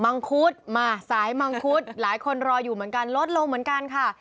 มังคุดมาสายมังคุดหลายคนรออยู่เหมือนกันลดลงเหมือนกันค่ะ